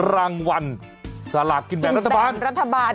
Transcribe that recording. รางวัลสลักกินแบบรัฐบาล